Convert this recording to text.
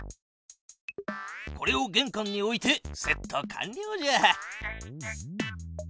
これをげんかんに置いてセット完りょうじゃ。